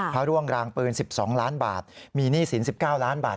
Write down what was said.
พระร่วงรางปืน๑๒ล้านบาทมีหนี้สิน๑๙ล้านบาท